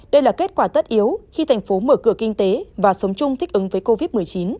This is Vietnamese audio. đây là kết quả tất yếu khi thành phố mở cửa kinh tế và sống chung thích ứng với covid một mươi chín